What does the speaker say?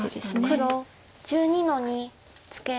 黒１２の二ツケ。